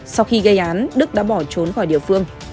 sau khi gây án đức đã bỏ trốn khỏi địa phương